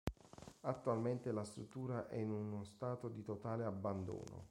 Attualmente la struttura è in uno stato di totale abbandono.